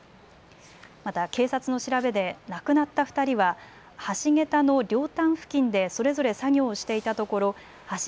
また警察の調べで亡くなった２人は橋桁の両端付近でそれぞれ作業をしていたところ